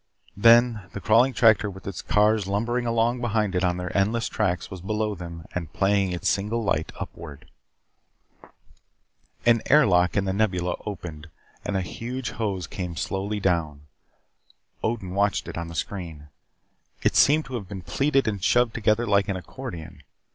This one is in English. Then the crawling tractor with its cars lumbering along behind it on their endless tracks was below them and playing its single light upward. An air lock in the Nebula opened and a huge hose came slowly down. Odin watched it on the screen. It seemed to have been pleated and shoved together like an accordion.